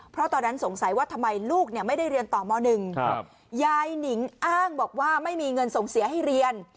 เพราะตอนนั้นสงสัยว่าทำไมลูกไม่ได้เรียนต่อม๑ยายหนิงอ้างบอกว่าไม่มีเงินส่งเสียให้เรียน